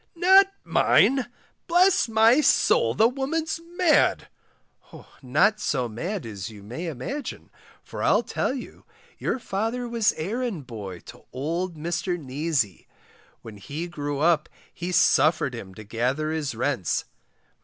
Not mine! bless my soul the woman's mad. Not so mad as you may imagine, for I'll tell you, your father was errand boy to old Mr Neasy. When he grew up he suffered him to gather his rents.